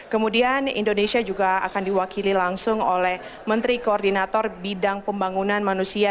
kemudian indonesia juga akan diwakili langsung oleh menteri koordinator bidang pembangunan manusia